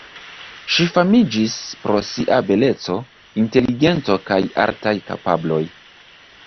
Ŝi famiĝis pro sia beleco, inteligento kaj artaj kapabloj.